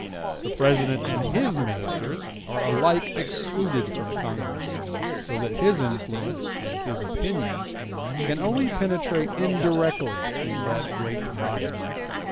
The President and his ministers are alike excluded from Congress; so that his influence and his opinions can only penetrate indirectly into that great body.